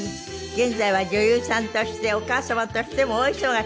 現在は女優さんとしてお母様としても大忙し。